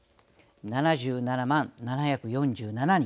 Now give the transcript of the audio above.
７７万７４７人。